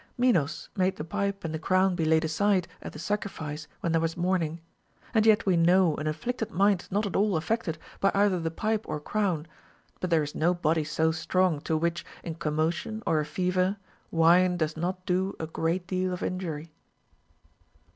Minos made the pipe and the crown be laid aside at the sacrifice when there was mourning. And yet we know an aflflicted mind is not at all affected by either the pipe or crown ; but there is no body so strong, to Avhich, in commotion or a fever, wine does not do a great deal of injury.